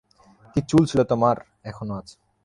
কী চুল ছিল তোমার, এখনো আছে।